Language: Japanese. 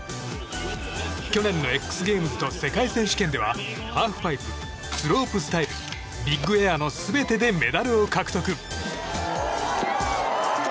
去年のＸＧＡＭＥＳと世界選手権ではハーフパイプ、スロープスタイルビッグエアの全てでメダルを獲得。